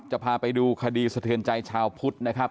จะพาไปดูคดีเสถียรใจชาวพุทธนะครับ